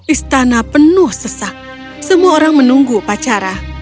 istana penuh sesak semua orang menunggu upacara